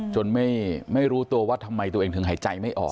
ไม่รู้ตัวว่าทำไมตัวเองถึงหายใจไม่ออก